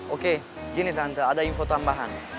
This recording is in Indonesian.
oke gini tahanta ada info tambahan